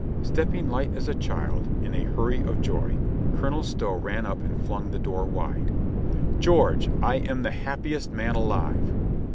Stepping light as a child in a hurry of joy, Colonel Stow ran up and flung the door wide. "George ! I am the happiest man alive!"